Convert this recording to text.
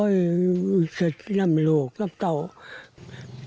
อยากให้รัฐบาลนำร่างลูกชายกลับมาให้ครอบครัวได้ทำวิจิทธิ์ทางศาสนาครับ